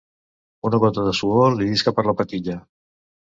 Una gota de suor li llisca per la patilla.